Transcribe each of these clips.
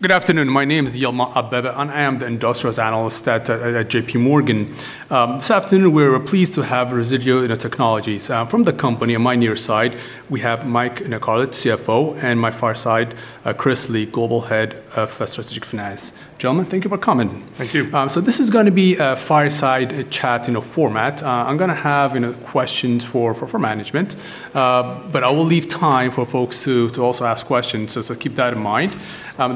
Good afternoon. My name is Yilma Abebe, and I am the Industrials Analyst at J.P. Morgan. This afternoon we're pleased to have Resideo Technologies. From the company on my near side, we have Mike Carlet, CFO, and my far side, Chris Lee, Global Head of Strategic Finance. Gentlemen, thank you for coming. Thank you. This is gonna be a fireside chat, you know, format. I'm gonna have, you know, questions for management, but I will leave time for folks to also ask questions, so keep that in mind.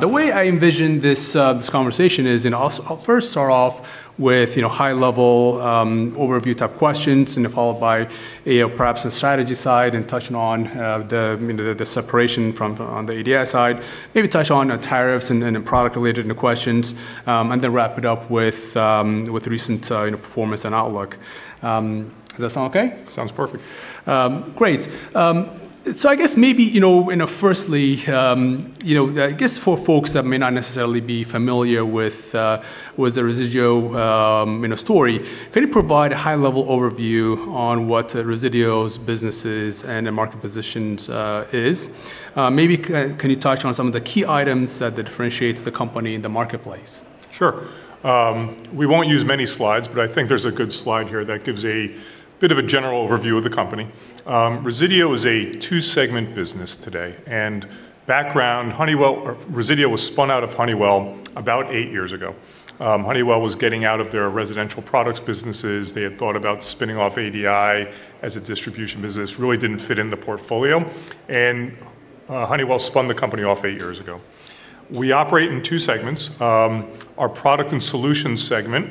The way I envision this conversation is, you know, I'll first start off with, you know, high-level, overview type questions, you know, followed by, you know, perhaps the strategy side and touching on the, you know, the separation from, on the ADI side. Maybe touch on tariffs, and then product-related, you know, questions, and then wrap it up with recent, you know, performance and outlook. Does that sound okay? Sounds perfect. Great. I guess maybe, you know, you know, firstly, you know, I guess for folks that may not necessarily be familiar with the Resideo, you know, story, can you provide a high-level overview on what Resideo's businesses and their market positions, is? Maybe can you touch on some of the key items that differentiates the company in the marketplace? Sure. We won't use many slides, but I think there's a good slide here that gives a bit of a general overview of the company. Resideo is a two-segment business today. Background, Resideo was spun out of Honeywell about eight years ago. Honeywell was getting out of their residential products businesses. They had thought about spinning off ADI as a distribution business. Really didn't fit in the portfolio. Honeywell spun the company off eight years ago. We operate in two segments. Our Products & Solutions segment,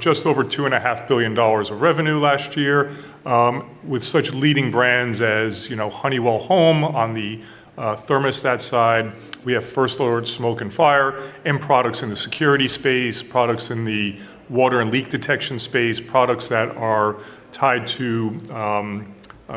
just over $2.5 billion of revenue last year, with such leading brands as, you know, Honeywell Home on the thermostat side. We have First Alert Smoke and Fire and products in the security space, products in the water and leak detection space, products that are tied to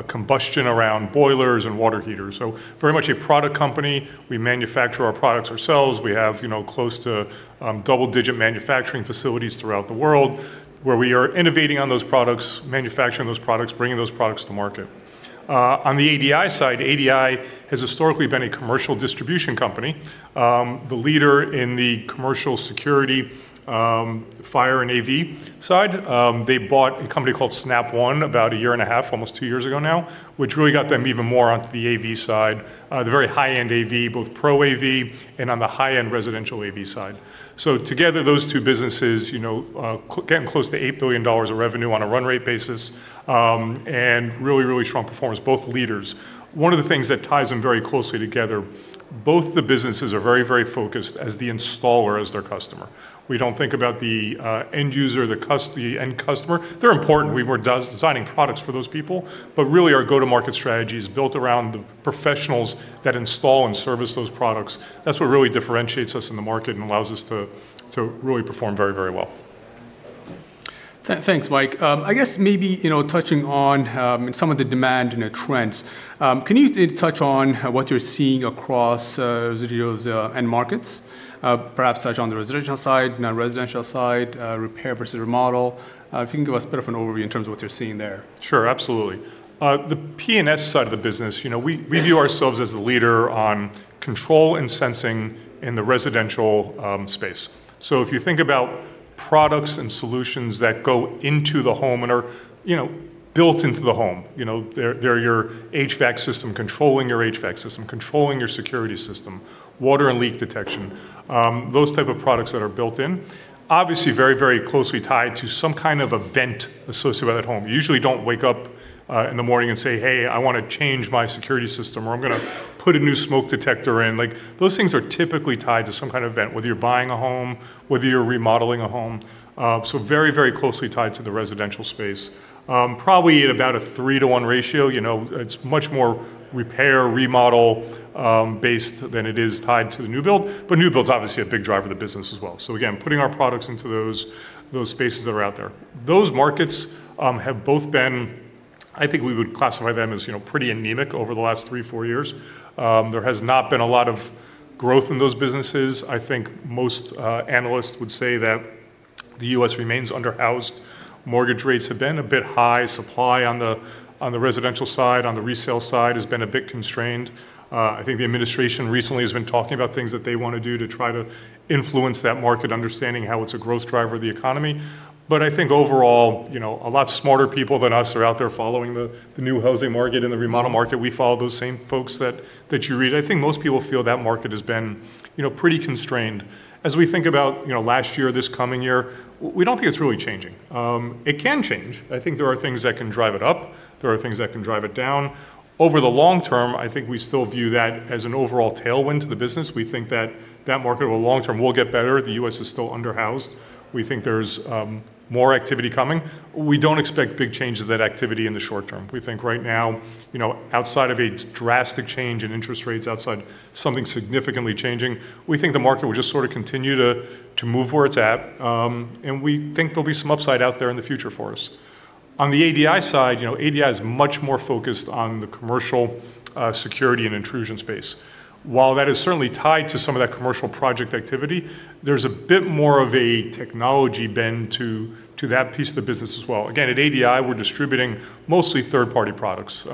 combustion around boilers and water heaters. Very much a product company. We manufacture our products ourselves. We have, you know, close to double-digit manufacturing facilities throughout the world, where we are innovating on those products, manufacturing those products, bringing those products to market. On the ADI side, ADI has historically been a commercial distribution company, the leader in the commercial security, fire and AV side. They bought a company called Snap One about 1.5 year, almost two years ago now, which really got them even more onto the AV side, the very high-end AV, both Pro AV and on the high-end residential AV side. Together, those two businesses, you know, getting close to $8 billion of revenue on a run rate basis, and really, really strong performance, both leaders. One of the things that ties them very closely together, both the businesses are very, very focused as the installer as their customer. We don't think about the, end user, the end customer. They're important. We were designing products for those people. Really, our go-to-market strategy is built around the professionals that install and service those products. That's what really differentiates us in the market and allows us to really perform very, very well. Thanks, Mike. I guess maybe, you know, touching on, some of the demand, you know, trends, can you touch on what you're seeing across, Resideo's, end markets? Perhaps touch on the residential side, non-residential side, repair versus remodel. If you can give us a bit of an overview in terms of what you're seeing there. Sure, absolutely. The P&S side of the business, you know, we view ourselves as the leader on control and sensing in the residential space. If you think about products and solutions that go into the home and are built into the home. They're your HVAC system, controlling your HVAC system, controlling your security system, water and leak detection, those type of products that are built in. Obviously, very closely tied to some kind of event associated with that home. You usually don't wake up in the morning and say, "Hey, I wanna change my security system," or, "I'm gonna put a new smoke detector in." Like, those things are typically tied to some kind of event, whether you're buying a home, whether you're remodeling a home. Very closely tied to the residential space. Probably at about a 3:1 ratio. You know, it's much more repair, remodel based than it is tied to the new build, but new build's obviously a big driver of the business as well. Again, putting our products into those spaces that are out there. Those markets have both been, I think we would classify them as, you know, pretty anemic over the last three, four years. There has not been a lot of growth in those businesses. I think most analysts would say that the U.S. remains under-housed. Mortgage rates have been a bit high. Supply on the residential side, on the resale side has been a bit constrained. I think the administration recently has been talking about things that they wanna do to try to influence that market, understanding how it's a growth driver of the economy. I think overall, you know, a lot smarter people than us are out there following the new housing market and the remodel market. We follow those same folks that you read. I think most people feel that market has been, you know, pretty constrained. As we think about, you know, last year, this coming year, we don't think it's really changing. It can change. I think there are things that can drive it up. There are things that can drive it down. Over the long term, I think we still view that as an overall tailwind to the business. We think that market over the long term will get better. The U.S. is still under-housed. We think there's more activity coming. We don't expect big changes to that activity in the short term. We think right now, you know, outside of a drastic change in interest rates, outside something significantly changing, we think the market will just sort of continue to move where it's at. We think there'll be some upside out there in the future for us. On the ADI side, you know, ADI is much more focused on the commercial security and intrusion space. While that is certainly tied to some of that commercial project activity, there's a bit more of a technology bend to that piece of the business as well. Again, at ADI, we're distributing mostly third-party products.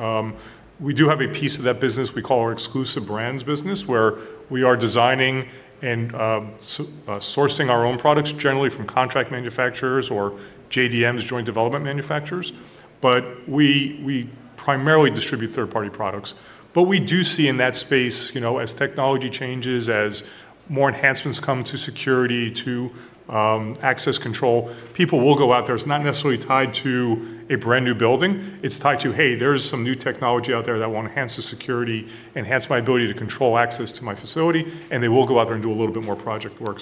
We do have a piece of that business we call our Exclusive Brands business, where we are designing and sourcing our own products, generally from contract manufacturers or JDMs, Joint Development Manufacturers. We primarily distribute third-party products. We do see in that space, you know, as technology changes, as more enhancements come to security, to access control, people will go out there. It's not necessarily tied to a brand-new building. It's tied to, hey, there's some new technology out there that will enhance the security, enhance my ability to control access to my facility, and they will go out there and do a little bit more project work.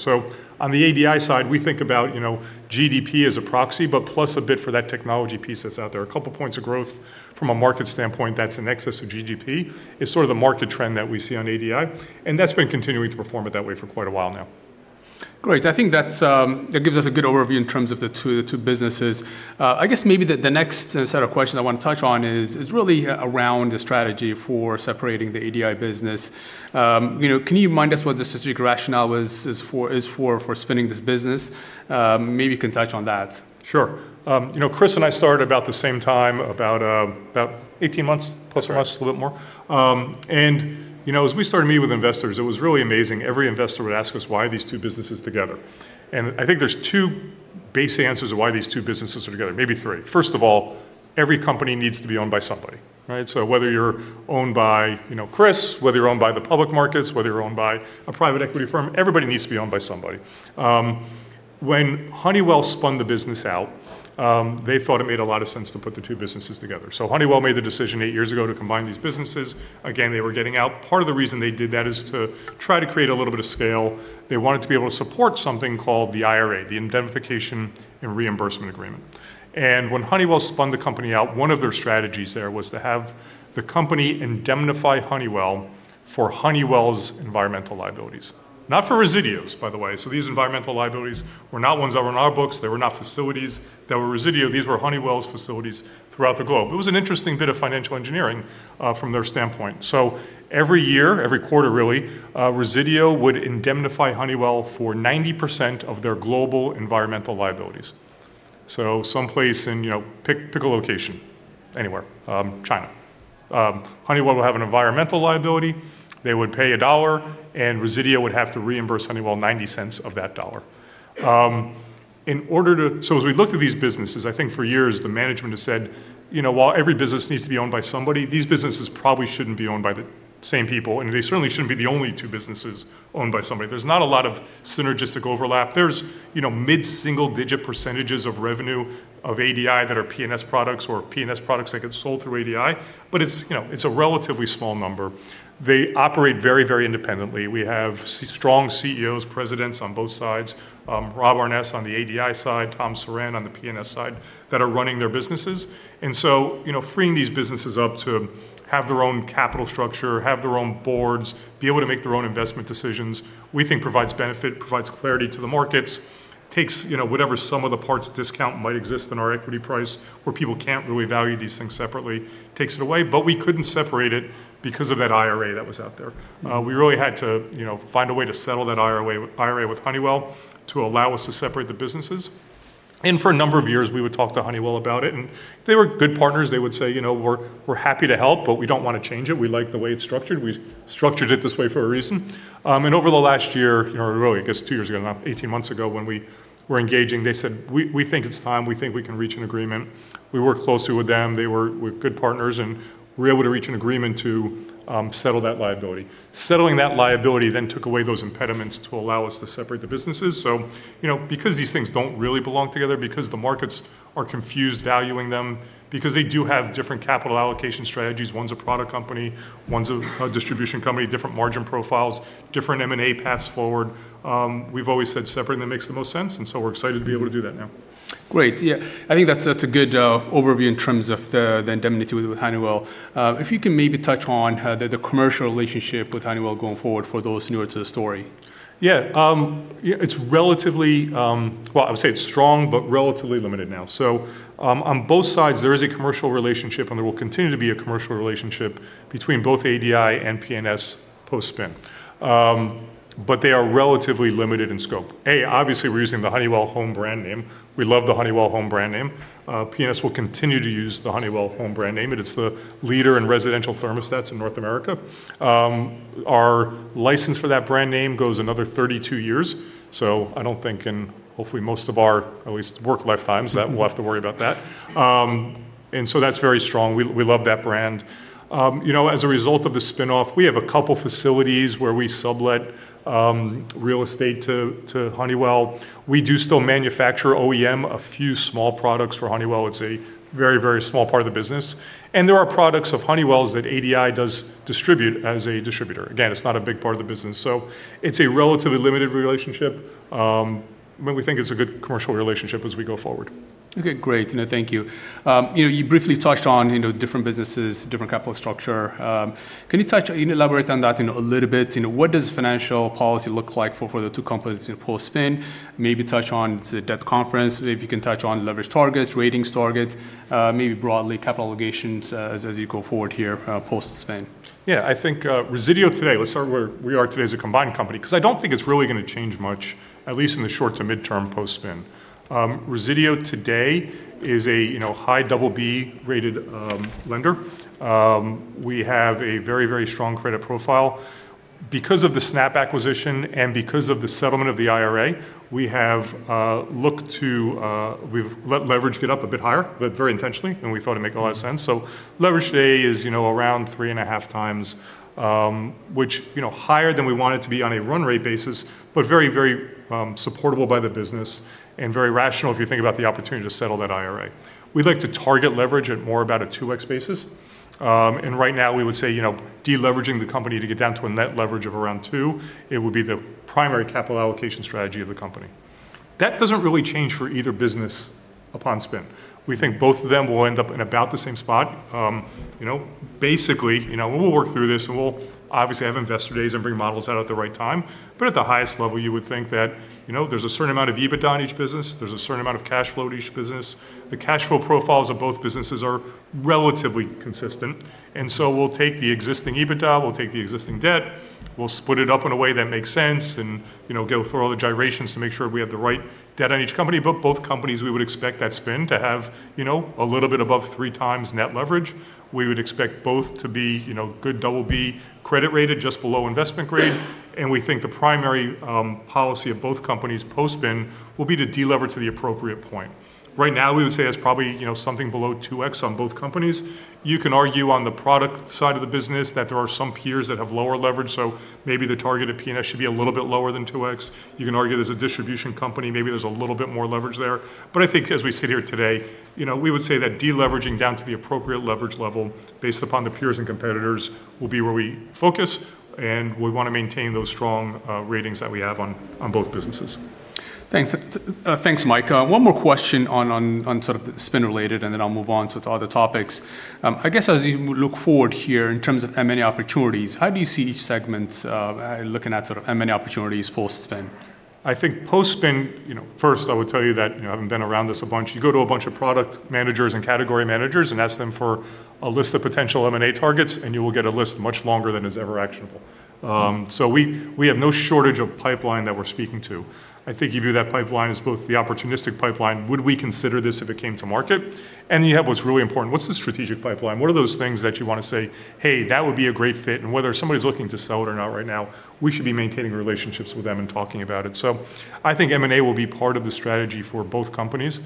On the ADI side, we think about, you know, GDP as a proxy, but plus a bit for that technology piece that's out there. A couple points of growth from a market standpoint that's in excess of GDP is sort of the market trend that we see on ADI, and that's been continuing to perform it that way for quite a while now. Great. I think that's that gives us a good overview in terms of the two businesses. I guess maybe the next set of questions I want to touch on is really around the strategy for separating the ADI business. You know, can you remind us what the strategic rationale is for spinning this business? Maybe you can touch on that. Sure. you know, Chris and I started about the same time, about 18 months ±. A little bit more. You know, as we started meeting with investors, it was really amazing. Every investor would ask us, "Why are these two businesses together?" I think there's two base answers of why these two businesses are together, maybe three. First of all, every company needs to be owned by somebody, right? Whether you're owned by, you know, Chris, whether you're owned by the public markets, whether you're owned by a private equity firm, everybody needs to be owned by somebody. When Honeywell spun the business out, they thought it made a lot of sense to put the two businesses together. Honeywell made the decision 8 years ago to combine these businesses. Again, they were getting out. Part of the reason they did that is to try to create a little bit of scale. They wanted to be able to support something called the IRA, the Indemnification and Reimbursement Agreement. When Honeywell spun the company out, one of their strategies there was to have the company indemnify Honeywell for Honeywell's environmental liabilities. Not for Resideo's, by the way. These environmental liabilities were not ones that were on our books. They were not facilities that were Resideo. These were Honeywell's facilities throughout the globe. It was an interesting bit of financial engineering from their standpoint. Every year, every quarter really, Resideo would indemnify Honeywell for 90% of their global environmental liabilities. Someplace in, you know. Pick a location. Anywhere. China. Honeywell will have an environmental liability. They would pay $1, and Resideo would have to reimburse Honeywell $0.90 of that $1. In order to-- As we look at these businesses, I think for years the management has said, you know, while every business needs to be owned by somebody, these businesses probably shouldn't be owned by the same people, and they certainly shouldn't be the only two businesses owned by somebody. There's not a lot of synergistic overlap. There's, you know, mid-single-digit percentage of revenue of ADI that are P&S products or P&S products that get sold through ADI, but it's, you know, it's a relatively small number. They operate very, very independently. We have strong CEOs, presidents on both sides, Rob Aarnes on the ADI side, Tom Surran on the P&S side, that are running their businesses. You know, freeing these businesses up to have their own capital structure, have their own boards, be able to make their own investment decisions, we think provides benefit, provides clarity to the markets, takes, you know, whatever sum of the parts discount might exist in our equity price where people can't really value these things separately, takes it away. We couldn't separate it because of that IRA that was out there. We really had to, you know, find a way to settle that IRA with Honeywell to allow us to separate the businesses. For a number of years, we would talk to Honeywell about it, and they were good partners. They would say, you know, "We're, we're happy to help, but we don't wanna change it. We like the way it's structured. We structured it this way for a reason." Over the last year, you know, or really I guess two years ago now, 18 months ago when we were engaging, they said, "We think it's time. We think we can reach an agreement." We worked closely with them. We're good partners, we were able to reach an agreement to settle that liability. Settling that liability took away those impediments to allow us to separate the businesses. You know, because these things don't really belong together, because the markets are confused valuing them, because they do have different capital allocation strategies, one's a product company, one's a distribution company, different margin profiles, different M&A paths forward, we've always said separate them makes the most sense, we're excited to be able to do that now. Great. Yeah, I think that's a good overview in terms of the indemnity with Honeywell. If you can maybe touch on the commercial relationship with Honeywell going forward for those newer to the story. It's relatively strong but relatively limited now. On both sides there is a commercial relationship and there will continue to be a commercial relationship between both ADI and P&S post-spin. They are relatively limited in scope. Obviously we're using the Honeywell Home brand name. We love the Honeywell Home brand name. P&S will continue to use the Honeywell Home brand name. It is the leader in residential thermostats in North America. Our license for that brand name goes another 32 years, I don't think in hopefully most of our at least work lifetimes that we'll have to worry about that. That's very strong. We love that brand. You know, as a result of the spin-off, we have a couple facilities where we sublet real estate to Honeywell. We do still manufacture OEM, a few small products for Honeywell. It's a very small part of the business. There are products of Honeywell's that ADI does distribute as a distributor. Again, it's not a big part of the business. It's a relatively limited relationship, but we think it's a good commercial relationship as we go forward. Okay. Great. You know, thank you. You know, you briefly touched on, you know, different businesses, different capital structure. Can you elaborate on that, you know, a little bit? You know, what does financial policy look like for the two companies, you know, post-spin? Maybe touch on the debt conference, if you can touch on leverage targets, ratings targets, maybe broadly capital allocations as you go forward here, post-spin. I think, Resideo today, let's start where we are today as a combined company, because I don't think it's really going to change much, at least in the short to midterm post-spin. Resideo today is a, you know, high BB rated lender. We have a very, very strong credit profile. Because of the Snap acquisition and because of the settlement of the IRA, we have looked to, we've let leverage get up a bit higher, but very intentionally, and we thought it'd make a lot of sense. Leverage today is, you know, around 3.5x, which, you know, higher than we want it to be on a run rate basis, but very, very supportable by the business and very rational if you think about the opportunity to settle that IRA. We'd like to target leverage at more about a 2x basis. Right now we would say, you know, de-leveraging the company to get down to a net leverage of around 2x, it would be the primary capital allocation strategy of the company. That doesn't really change for either business upon spin. We think both of them will end up in about the same spot. You know, basically, you know, we'll work through this and we'll obviously have Investor Days and bring models out at the right time. At the highest level, you would think that, you know, there's a certain amount of EBITDA in each business. There's a certain amount of cash flow to each business. The cash flow profiles of both businesses are relatively consistent. We'll take the existing EBITDA, we'll take the existing debt, we'll split it up in a way that makes sense, you know, go through all the gyrations to make sure we have the right debt on each company. Both companies, we would expect that spin to have, you know, a little bit above 3x net leverage. We would expect both to be, you know, good BB credit rated just below investment grade. We think the primary policy of both companies post-spin will be to de-lever to the appropriate point. Right now, we would say that's probably, you know, something below 2x on both companies. You can argue on the product side of the business that there are some peers that have lower leverage, so maybe the target at P&S should be a little bit lower than 2x. You can argue there's a distribution company, maybe there's a little bit more leverage there. I think as we sit here today, you know, we would say that de-leveraging down to the appropriate leverage level based upon the peers and competitors will be where we focus, and we want to maintain those strong ratings that we have on both businesses. Thanks, Mike. One more question on sort of spin related, and then I'll move on to other topics. I guess as you look forward here in terms of M&A opportunities, how do you see each segment looking at sort of M&A opportunities post-spin? I think post-spin, you know, first I would tell you that, you know, having been around this a bunch, you go to a bunch of product managers and category managers and ask them for a list of potential M&A targets, and you will get a list much longer than is ever actionable. We have no shortage of pipeline that we're speaking to. I think you view that pipeline as both the opportunistic pipeline, would we consider this if it came to market? And you have what's really important, what's the strategic pipeline? What are those things that you want to say, "Hey, that would be a great fit, and whether somebody's looking to sell it or not right now, we should be maintaining relationships with them and talking about it." I think M&A will be part of the strategy for both companies.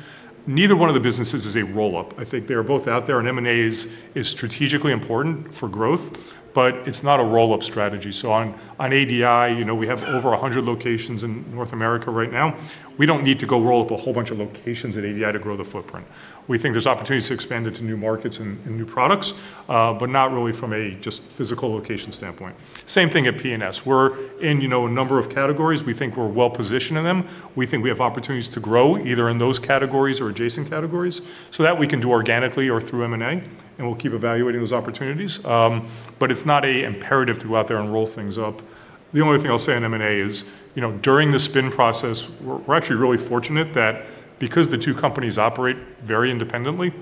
Neither one of the businesses is a roll-up. I think they are both out there, M&A is strategically important for growth, but it's not a roll-up strategy. On ADI, you know, we have over 100 locations in North America right now. We don't need to go roll up a whole bunch of locations at ADI to grow the footprint. We think there's opportunities to expand into new markets and new products, but not really from a just physical location standpoint. Same thing at P&S. We're in, you know, a number of categories. We think we're well-positioned in them. We think we have opportunities to grow either in those categories or adjacent categories. That we can do organically or through M&A, we'll keep evaluating those opportunities. It's not a imperative to go out there and roll things up. The only thing I'll say on M&A is, you know, during the spin process, we're actually really fortunate that because the two companies operate very independently,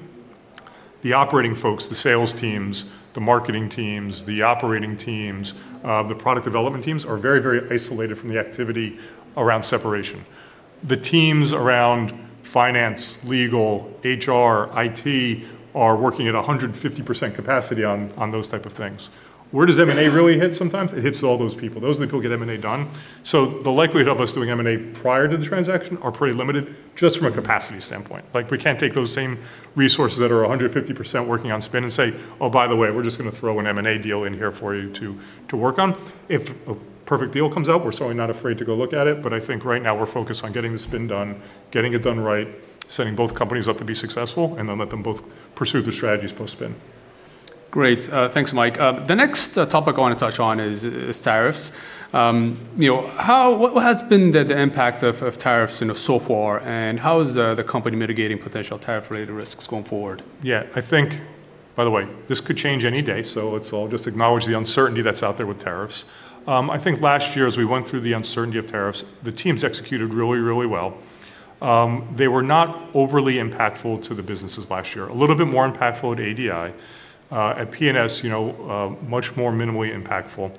the operating folks, the sales teams, the marketing teams, the operating teams, the product development teams are very, very isolated from the activity around separation. The teams around finance, legal, HR, IT are working at 150% capacity on those type of things. Where does M&A really hit sometimes? It hits all those people. Those are the people who get M&A done. The likelihood of us doing M&A prior to the transaction are pretty limited just from a capacity standpoint. We can't take those same resources that are 150% working on spin and say, "Oh, by the way, we're just gonna throw an M&A deal in here for you to work on." If a perfect deal comes out, we're certainly not afraid to go look at it. I think right now we're focused on getting the spin done, getting it done right, setting both companies up to be successful, and then let them both pursue the strategies post-spin. Great. Thanks, Mike. The next topic I want to touch on is tariffs. You know, what has been the impact of tariffs, you know, so far, and how is the company mitigating potential tariff-related risks going forward? I think, by the way, this could change any day. Let's all just acknowledge the uncertainty that's out there with tariffs. I think last year as we went through the uncertainty of tariffs, the teams executed really, really well. They were not overly impactful to the businesses last year. A little bit more impactful at ADI. At P&S, you know, much more minimally impactful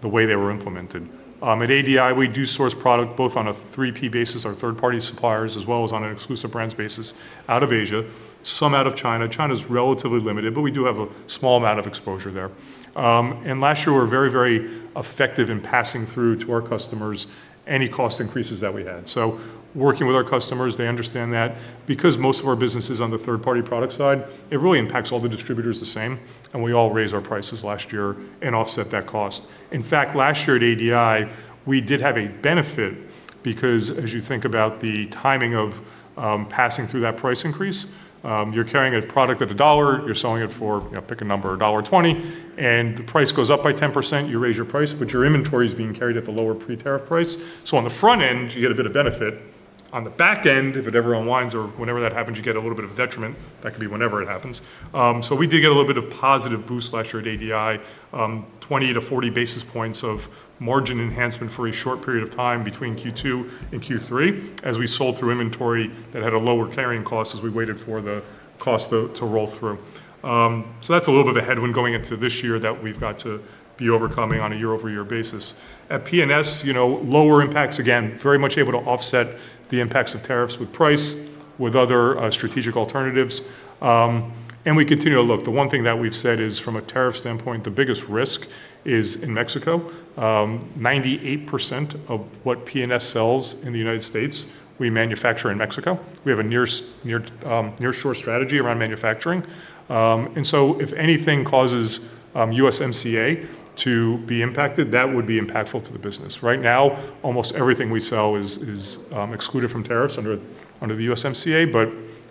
the way they were implemented. At ADI, we do source product both on a 3P basis, our third-party suppliers, as well as on an Exclusive Brands basis out of Asia, some out of China. China's relatively limited, but we do have a small amount of exposure there. Last year we were very, very effective in passing through to our customers any cost increases that we had. Working with our customers, they understand that. Because most of our business is on the third-party product side, it really impacts all the distributors the same, and we all raised our prices last year and offset that cost. In fact, last year at ADI, we did have a benefit because as you think about the timing of, passing through that price increase, you're carrying a product at $1, you're selling it for, you know, pick a number, $1.20, and the price goes up by 10%, you raise your price, but your inventory is being carried at the lower pre-tariff price. On the front end, you get a bit of benefit. On the back end, if it ever unwinds or whenever that happens, you get a little bit of a detriment. That could be whenever it happens. We did get a little bit of positive boost last year at ADI, 20-40 basis points of margin enhancement for a short period of time between Q2 and Q3 as we sold through inventory that had a lower carrying cost as we waited for the cost to roll through. That's a little bit of a headwind going into this year that we've got to be overcoming on a year-over-year basis. At P&S, you know, lower impacts, again, very much able to offset the impacts of tariffs with price, with other strategic alternatives, we continue to look. The one thing that we've said is from a tariff standpoint, the biggest risk is in Mexico. 98% of what P&S sells in the United States, we manufacture in Mexico. We have a near-shore strategy around manufacturing. If anything causes USMCA to be impacted, that would be impactful to the business. Right now, almost everything we sell is excluded from tariffs under the USMCA.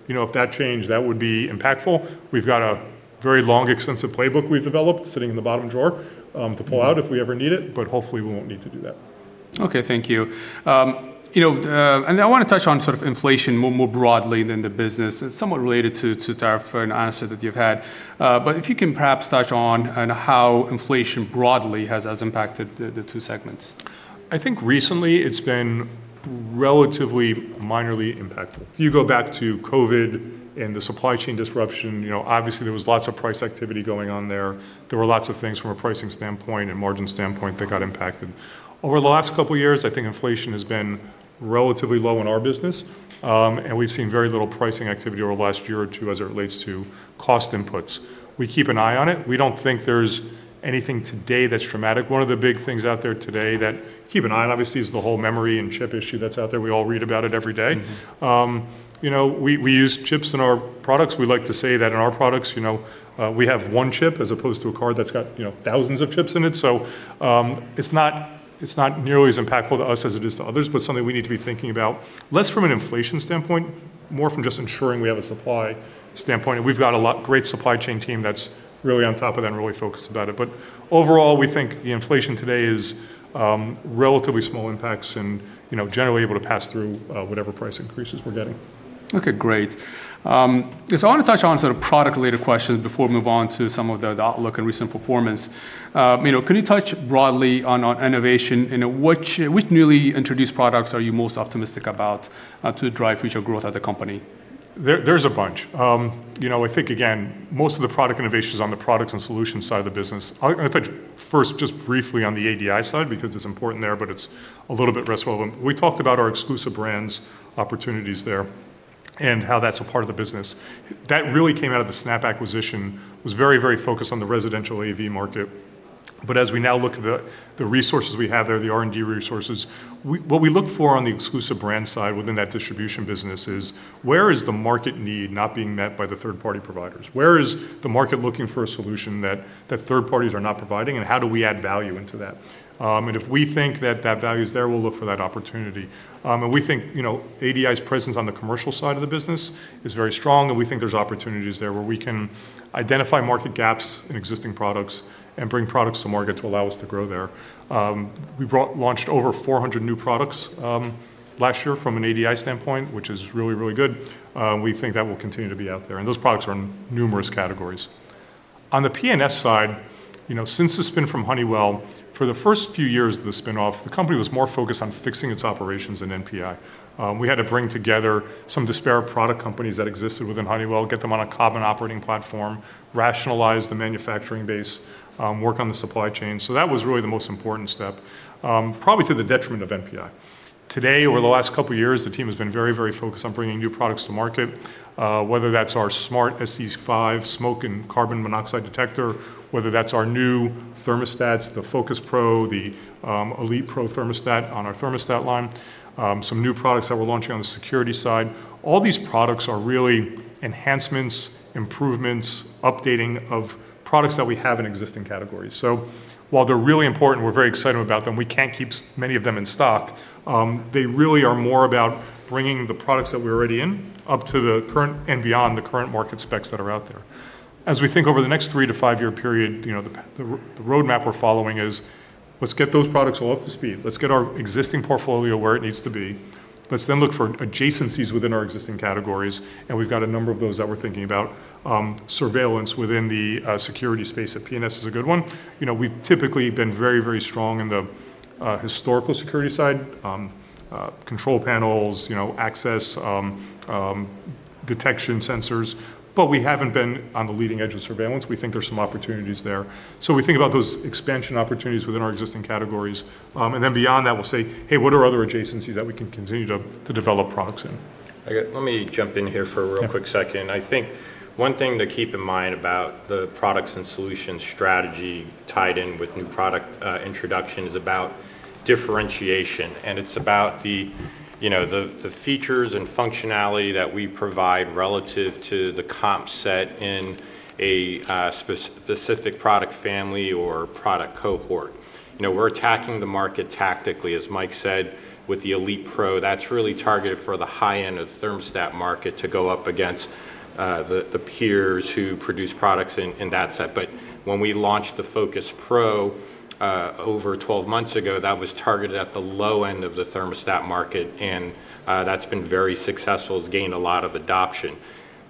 You know, if that changed, that would be impactful. We've got a very long, extensive playbook we've developed sitting in the bottom drawer to pull out if we ever need it, but hopefully, we won't need to do that. Okay. Thank you. you know, I wanna touch on sort of inflation more broadly than the business. It's somewhat related to tariff, an answer that you've had. If you can perhaps touch on how inflation broadly has impacted the two segments. I think recently it's been relatively minorly impactful. If you go back to COVID and the supply chain disruption, you know, obviously there was lots of price activity going on there. There were lots of things from a pricing standpoint and margin standpoint that got impacted. Over the last couple years, I think inflation has been relatively low in our business, and we've seen very little pricing activity over the last year or two as it relates to cost inputs. We keep an eye on it. We don't think there's anything today that's dramatic. One of the big things out there today that keep an eye on obviously is the whole memory and chip issue that's out there. We all read about it every day. You know, we use chips in our products. We like to say that in our products, you know, we have one chip as opposed to a car that's got, you know, thousands of chips in it. It's not, it's not nearly as impactful to us as it is to others, but something we need to be thinking about, less from an inflation standpoint, more from just ensuring we have a supply standpoint. We've got a lot great supply chain team that's really on top of that and really focused about it. Overall, we think the inflation today is relatively small impacts and, you know, generally able to pass through whatever price increases we're getting. Okay. Great. guess I wanna touch on sort of product-related questions before we move on to some of the outlook and recent performance. you know, can you touch broadly on innovation? You know, which newly introduced products are you most optimistic about, to drive future growth at the company? There's a bunch. you know, I think again, most of the product innovation's on the products and solutions side of the business. In fact, first, just briefly on the ADI side because it's important there, but it's a little bit less relevant. We talked about our Exclusive Brands opportunities there and how that's a part of the business. That really came out of the Snap acquisition, was very, very focused on the residential AV market. As we now look at the resources we have there, the R&D resources, what we look for on the Exclusive Brand side within that distribution business is: Where is the market need not being met by the third-party providers? Where is the market looking for a solution that third parties are not providing, and how do we add value into that? And if we think that that value is there, we'll look for that opportunity. And we think, you know, ADI's presence on the commercial side of the business is very strong, and we think there's opportunities there where we can identify market gaps in existing products and bring products to market to allow us to grow there. We launched over 400 new products last year from an ADI standpoint, which is really, really good. We think that will continue to be out there, and those products are in numerous categories. On the P&S side, you know, since the spin from Honeywell, for the first few years of the spin-off, the company was more focused on fixing its operations than NPI. We had to bring together some disparate product companies that existed within Honeywell, get them on a common operating platform, rationalize the manufacturing base, work on the supply chain. That was really the most important step, probably to the detriment of NPI. Today, over the last couple years, the team has been very focused on bringing new products to market, whether that's our smart SC5 smoke and carbon monoxide detector, whether that's our new thermostats, the FocusPRO, the ElitePRO thermostat on our thermostat line, some new products that we're launching on the security side. All these products are really enhancements, improvements, updating of products that we have in existing categories. While they're really important, we're very excited about them, we can't keep many of them in stock. They really are more about bringing the products that we're already in up to the current and beyond the current market specs that are out there. As we think over the next three to five-year period, you know, the roadmap we're following is, let's get those products all up to speed. Let's get our existing portfolio where it needs to be. Let's then look for adjacencies within our existing categories, and we've got a number of those that we're thinking about. Surveillance within the security space at P&S is a good one. You know, we've typically been very strong in the historical security side, control panels, you know, access, detection sensors, but we haven't been on the leading edge of surveillance. We think there's some opportunities there. We think about those expansion opportunities within our existing categories. Then beyond that we'll say, "Hey, what are other adjacencies that we can continue to develop products in? Let me jump in here for a real quick second. Yeah. I think one thing to keep in mind about the Products & Solutions strategy tied in with new product introduction is about differentiation, and it's about the, you know, the features and functionality that we provide relative to the comp set in a spec-specific product family or product cohort. You know, we're attacking the market tactically, as Mike said, with the ElitePRO. That's really targeted for the high end of the thermostat market to go up against the peers who produce products in that set. When we launched the FocusPRO over 12 months ago, that was targeted at the low end of the thermostat market, and that's been very successful. It's gained a lot of adoption.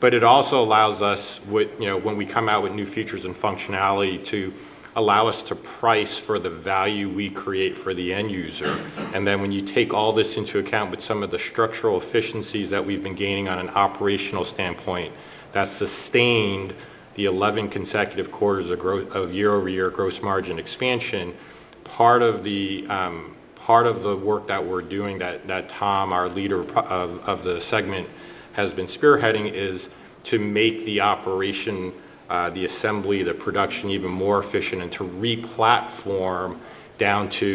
It also allows us with, you know, when we come out with new features and functionality to allow us to price for the value we create for the end user. When you take all this into account with some of the structural efficiencies that we've been gaining on an operational standpoint, that sustained the 11 consecutive quarters of growth of year-over-year gross margin expansion. Part of the work that Tom, our leader of the segment has been spearheading is to make the operation, the assembly, the production even more efficient and to re-platform down to,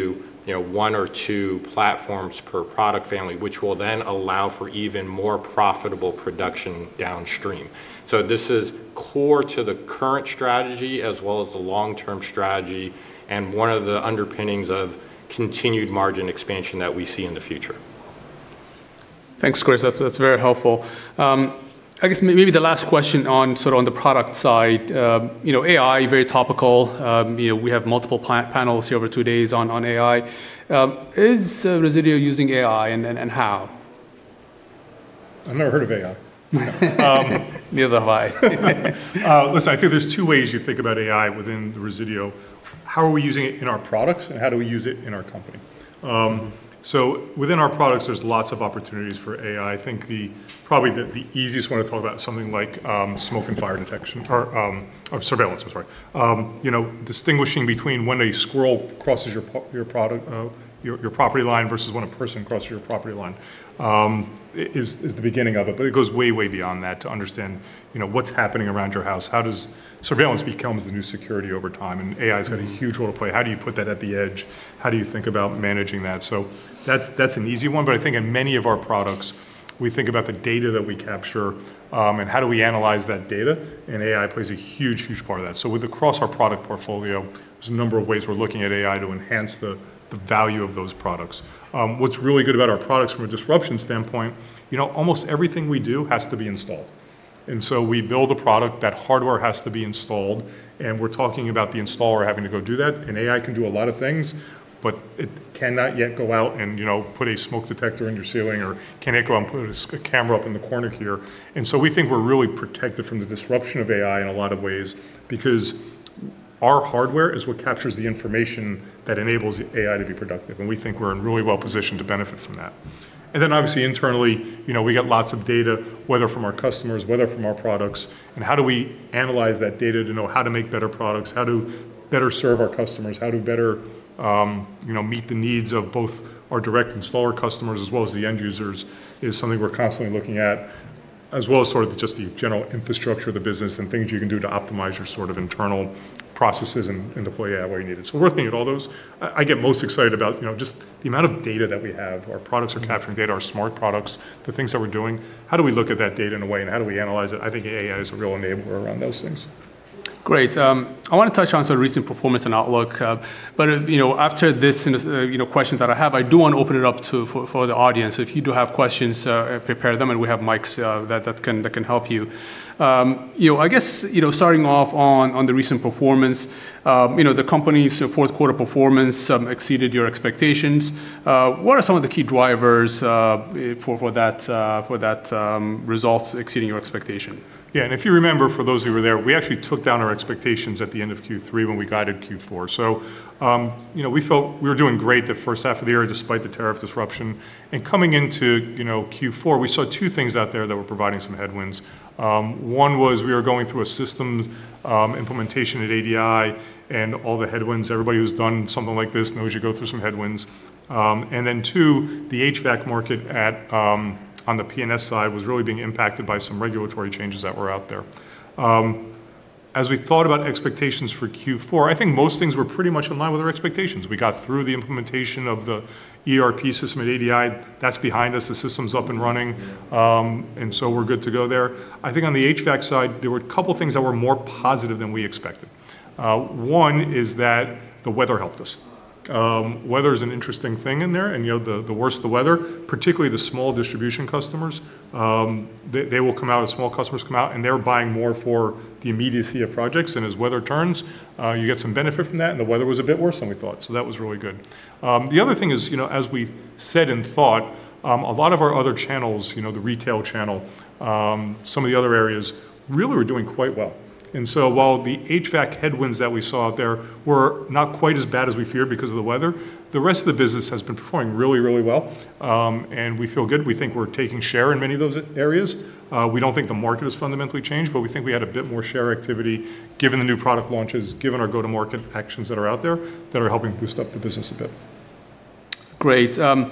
you know, one or two platforms per product family, which will then allow for even more profitable production downstream. This is core to the current strategy as well as the long-term strategy and one of the underpinnings of continued margin expansion that we see in the future. Thanks, Chris. That's very helpful. I guess maybe the last question on, sort of on the product side, you know, AI, very topical. You know, we have multiple panels here over two days on AI. Is Resideo using AI and how? I've never heard of AI. Me either. Hi. Listen, I think there's two ways you think about AI within Resideo. How are we using it in our products, and how do we use it in our company? Within our products, there's lots of opportunities for AI. I think the, probably the easiest one to talk about something like smoke and fire detection or or surveillance, I'm sorry. You know, distinguishing between when a squirrel crosses your product, your property line versus when a person crosses your property line, is the beginning of it. It goes way beyond that to understand, you know, what's happening around your house. Surveillance becomes the new security over time, and AI's got a huge role to play. How do you put that at the edge? How do you think about managing that? That's an easy one. I think in many of our products, we think about the data that we capture, and how do we analyze that data. AI plays a huge, huge part of that. With across our product portfolio, there's a number of ways we're looking at AI to enhance the value of those products. What's really good about our products from a disruption standpoint, you know, almost everything we do has to be installed. We build a product, that hardware has to be installed, and we're talking about the installer having to go do that. AI can do a lot of things, but it cannot yet go out and, you know, put a smoke detector in your ceiling or can it go and put a camera up in the corner here. We think we're really protected from the disruption of AI in a lot of ways because our hardware is what captures the information that enables AI to be productive, and we think we're in really well positioned to benefit from that. Obviously internally, you know, we get lots of data, whether from our customers, whether from our products, and how do we analyze that data to know how to make better products, how to better serve our customers, how to better, you know, meet the needs of both our direct installer customers as well as the end users is something we're constantly looking at, as well as sort of just the general infrastructure of the business and things you can do to optimize your sort of internal processes and deploy AI where you need it. We're looking at all those. I get most excited about, you know, just the amount of data that we have. Our products are capturing data, our smart products, the things that we're doing. How do we look at that data in a way, how do we analyze it? I think AI is a real enabler around those things. Great. I want to touch on sort of recent performance and outlook. You know, after this and this, you know, question that I have, I do want to open it up to, for the audience. If you do have questions, prepare them, and we have mics that can help you. You know, I guess, you know, starting off on the recent performance, you know, the company's fourth quarter performance exceeded your expectations. What are some of the key drivers for that results exceeding your expectation? If you remember for those who were there, we actually took down our expectations at the end of Q3 when we guided Q4. You know, we felt we were doing great the first half of the year despite the tariff disruption. Coming into, you know, Q4, we saw two things out there that were providing some headwinds. One was we were going through a system implementation at ADI and all the headwinds. Everybody who's done something like this knows you go through some headwinds. Then two, the HVAC market at on the P&S side was really being impacted by some regulatory changes that were out there. As we thought about expectations for Q4, I think most things were pretty much in line with our expectations. We got through the implementation of the ERP system at ADI. That's behind us. The system's up and running. We're good to go there. I think on the HVAC side, there were a couple things that were more positive than we expected. One is that the weather helped us. Weather is an interesting thing in there, and you know, the worse the weather, particularly the small distribution customers, they will come out, the small customers come out, and they're buying more for the immediacy of projects. As weather turns, you get some benefit from that. The weather was a bit worse than we thought, so that was really good. The other thing is, you know, as we've said and thought, a lot of our other channels, you know, the retail channel, some of the other areas really were doing quite well. While the HVAC headwinds that we saw out there were not quite as bad as we feared because of the weather, the rest of the business has been performing really well. We feel good. We think we're taking share in many of those areas. We don't think the market has fundamentally changed, but we think we had a bit more share activity given the new product launches, given our go-to-market actions that are out there that are helping boost up the business a bit. Great. Then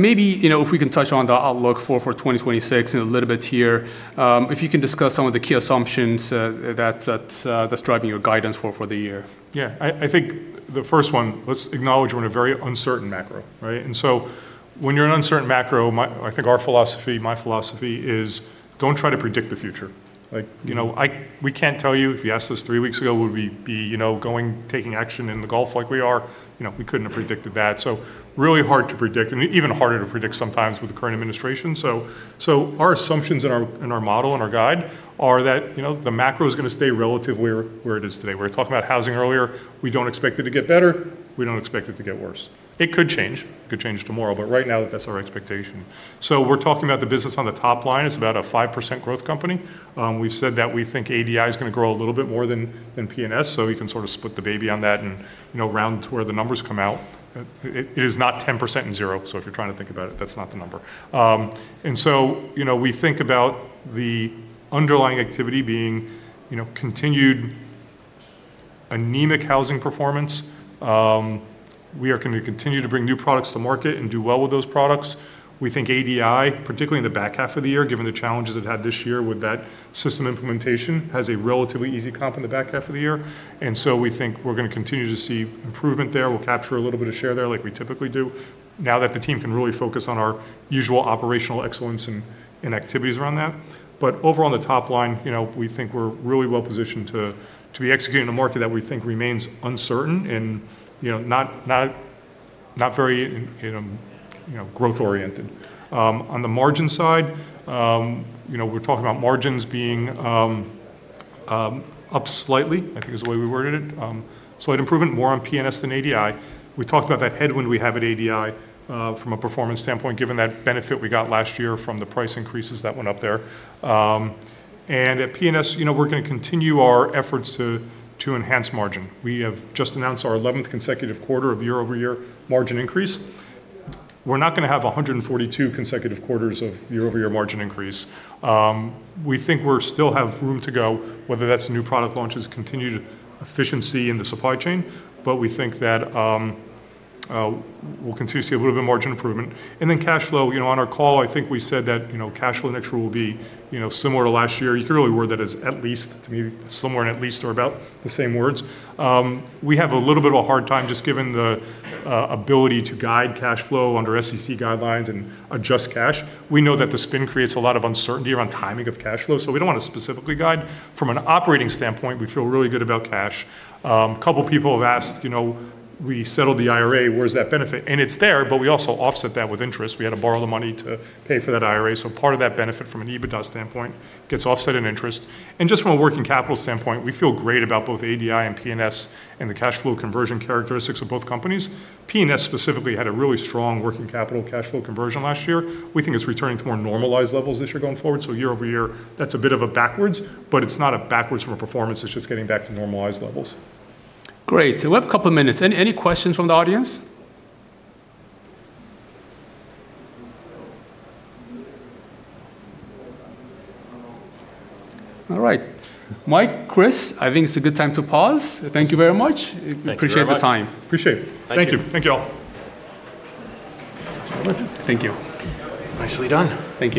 maybe, you know, if we can touch on the outlook for 2026 in a little bit here. If you can discuss some of the key assumptions that's driving your guidance for the year. Yeah. I think the first one, let's acknowledge we're in a very uncertain macro, right? When you're in uncertain macro, I think our philosophy, my philosophy is don't try to predict the future. Like, you know, we can't tell you, if you asked us three weeks ago, would we be, you know, going, taking action in The Gulf like we are? You know, we couldn't have predicted that. Really hard to predict, and even harder to predict sometimes with the current administration. So our assumptions in our model and our guide are that, you know, the macro is gonna stay relatively where it is today. We were talking about housing earlier. We don't expect it to get better. We don't expect it to get worse. It could change. It could change tomorrow, right now that's our expectation. we're talking about the business on the top line. It's about a 5% growth company. We've said that we think ADI is gonna grow a little bit more than P&S, so you can sort of split the baby on that and, you know, round to where the numbers come out. It is not 10% and zero, so if you're trying to think about it, that's not the number. You know, we think about the underlying activity being, you know, continued anemic housing performance. We are gonna continue to bring new products to market and do well with those products. We think ADI, particularly in the back half of the year, given the challenges they've had this year with that system implementation, has a relatively easy comp in the back half of the year. We think we're gonna continue to see improvement there. We'll capture a little bit of share there like we typically do now that the team can really focus on our usual operational excellence and activities around that. Over on the top line, you know, we think we're really well positioned to be executing in a market that we think remains uncertain and, you know, not very in you know growth-oriented. On the margin side, you know, we're talking about margins being up slightly, I think is the way we worded it. Slight improvement more on P&S than ADI. We talked about that headwind we have at ADI from a performance standpoint, given that benefit we got last year from the price increases that went up there. At P&S, you know, we're gonna continue our efforts to enhance margin. We have just announced our 11th consecutive quarter of year-over-year margin increase. We're not gonna have 142 consecutive quarters of year-over-year margin increase. We think we're still have room to go, whether that's new product launches, continued efficiency in the supply chain, but we think that we'll continue to see a little bit margin improvement. Then cash flow, you know, on our call, I think we said that, you know, cash flow next year will be, you know, similar to last year. You could really word that as at least to be similar and at least or about the same words. We have a little bit of a hard time just given the ability to guide cash flow under SEC guidelines and adjust cash. We know that the spin creates a lot of uncertainty around timing of cash flow, so we don't wanna specifically guide. From an operating standpoint, we feel really good about cash. A couple of people have asked, you know, we settled the IRA, where's that benefit? It's there, but we also offset that with interest. We had to borrow the money to pay for that IRA, so part of that benefit from an EBITDA standpoint gets offset in interest. Just from a working capital standpoint, we feel great about both ADI and P&S and the cash flow conversion characteristics of both companies. P&S specifically had a really strong working capital cash flow conversion last year. We think it's returning to more normalized levels this year going forward. Year-over-year, that's a bit of a backwards. It's not a backwards from a performance, it's just getting back to normalized levels. Great. We have a couple of minutes. Any questions from the audience? All right. Mike, Chris, I think it's a good time to pause. Thank you very much. Thank you very much. Appreciate the time. Appreciate it. Thank you. Thank you. Thank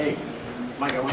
you all.